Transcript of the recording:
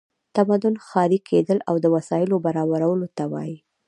تمدن ښاري کیدل او د وسایلو برابرولو ته وایي.